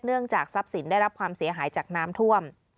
จากทรัพย์สินได้รับความเสียหายจากน้ำท่วม